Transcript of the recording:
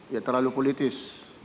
ya terlalu politis